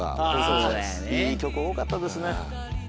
いい曲多かったですね。